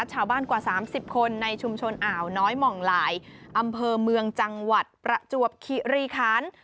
กว่า๓๐คนในชุมชนอ่าวน้อยหม่องหลายอำเภอเมืองจังหวัดประจวบคิริคัน